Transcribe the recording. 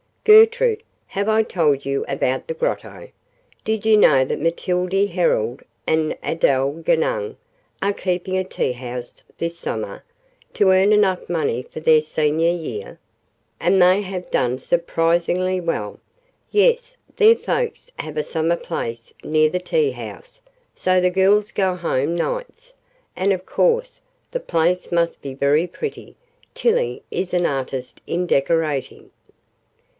Gertrude, have I told you about the Grotto? Did you know that Mathilde Herold and Adele Genung are keeping a tea house this summer, to earn enough money for their senior year? And they have done surprisingly well. Yes, their folks have a summer place near the tea house, so the girls go home nights, and of course the place must be very pretty Tillie is an artist in decorating."